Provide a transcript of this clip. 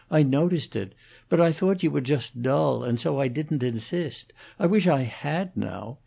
I noticed it; but I thought you were just dull, and so I didn't insist. I wish I had, now.